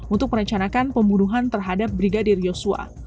untuk merencanakan pembunuhan terhadap brigadir yosua